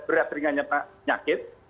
berat ringan nyakit